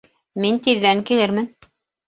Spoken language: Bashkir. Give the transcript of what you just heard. Мин тиҙҙән килермен